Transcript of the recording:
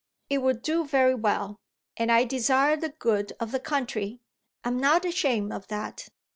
"It will do very well. And I desire the good of the country. I'm not ashamed of that."